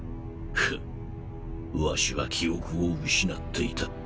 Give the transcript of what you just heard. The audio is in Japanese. フッワシは記憶を失っていた。